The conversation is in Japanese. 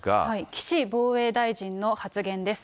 岸防衛大臣の、発言です。